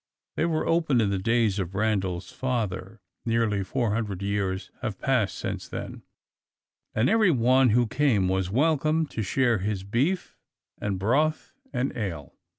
They were open in the days of Randal's father nearly four hundred years have passed since then and everyone who came was welcome to his share of beef and broth and ale.